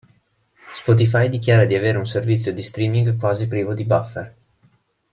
Spotify dichiara di avere un servizio di streaming quasi privo di buffer.